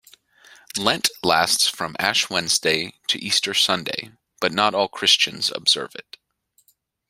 Lent lasts from Ash Wednesday to Easter Sunday, but not all Christians observe it.